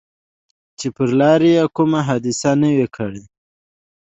چې پر لاره یې کومه حادثه نه وي کړې.